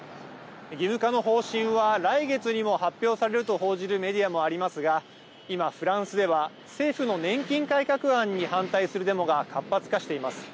義務化の方針は来月にも発表されると報じるメディアもありますが今、フランスでは政府の年金改革案に反対するデモが活発化しています。